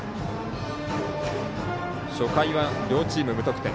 初回は両チーム、無得点。